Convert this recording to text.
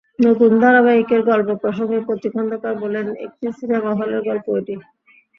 নতুন ধারাবাহিকের গল্প প্রসঙ্গে কচি খন্দকার বললেন, একটি সিনেমা হলের গল্প এটি।